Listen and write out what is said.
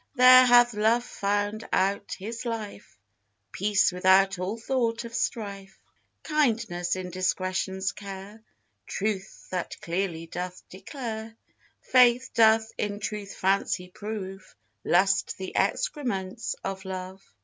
There hath Love found out his life, Peace without all thought of strife; Kindness in Discretion's care; Truth, that clearly doth declare Faith doth in true fancy prove, Lust the excrements of Love.